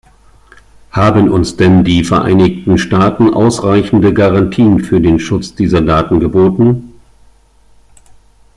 Haben uns denn die Vereinigten Staaten ausreichende Garantien für den Schutz dieser Daten geboten?